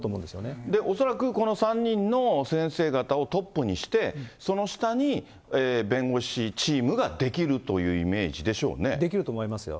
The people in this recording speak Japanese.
恐らくこの３人の先生方をトップにして、その下に弁護士チームができるというイメージでしょできると思いますよ。